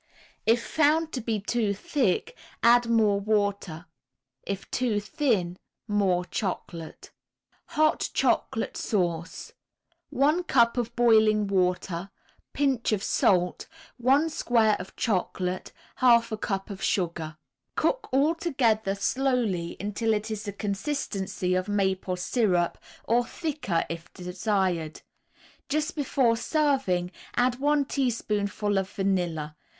If found to be too thick, add more water; if too thin, more chocolate. HOT CHOCOLATE SAUCE 1 cup of boiling water, Pinch of salt, 1 square of chocolate, 1/2 a cup of sugar. Cook all together slowly until it is the consistency of maple syrup, or thicker if desired. Just before serving, add one teaspoonful of vanilla.